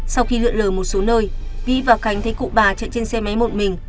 sau khi lượn lờ một số nơi vi và khánh thấy cụ bà chạy trên xe máy một mình